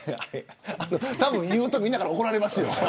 たぶん言うと、みんなから怒られますよ